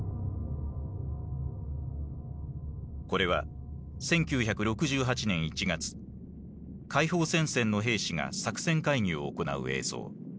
これは１９６８年１月解放戦線の兵士が作戦会議を行う映像。